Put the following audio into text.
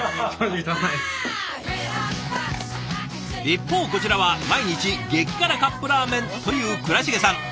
一方こちらは毎日激辛カップラーメンという倉重さん。